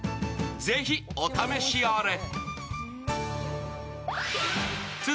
ぜひお試しあれ！